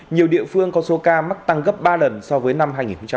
nhiều địa phương có số ca mắc tăng gấp ba lần so với năm hai nghìn một mươi tám